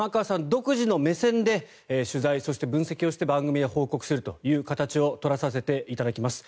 独自の目線で取材そして分析をして番組で報告するという形を取らせていただきます。